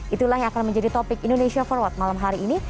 itulah yang akan menjadi topik indonesia forward malam hari ini